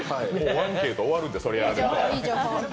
アンケート、終わるんでそれやられると。